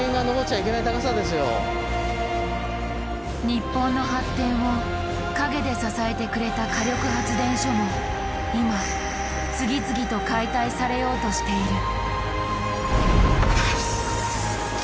日本の発展を陰で支えてくれた火力発電所も今次々と解体されようとしている。